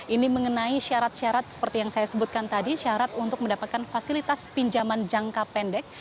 ini mengenai syarat syarat seperti yang saya sebutkan tadi syarat untuk mendapatkan fasilitas pinjaman jangka pendek